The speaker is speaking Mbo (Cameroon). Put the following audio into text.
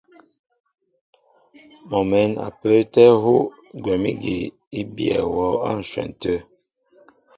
Mɔ mɛ̌n a pə́ə́tɛ́ hú gwɛ̌m ígi í bíyɛ wɔ á ǹshwɛn tə̂.